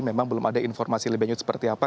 memang belum ada informasi lebih lanjut seperti apa